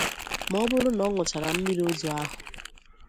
Mana ọ bụrụ na ọ ñụchaara mmiri ozu ahụ